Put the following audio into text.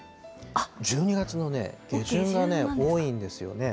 １２月の下旬がね、多いんですよね。